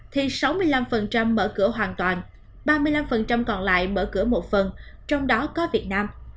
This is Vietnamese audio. thì sáu mươi năm mở cửa hoàn toàn ba mươi năm còn lại mở cửa một phần trong đó có việt nam